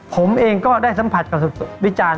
ผมเองก็ได้สัมผัสกับวิจารณ์